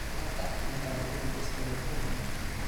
Un attacco frontale comunque espone al fuoco nemico.